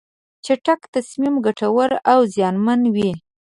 چټک تصمیم ګټور او زیانمن وي.